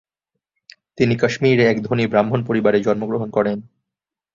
তিনি কাশ্মীরে এক ধনী ব্রাহ্মণ পরিবারে জন্মগ্রহণ করেন।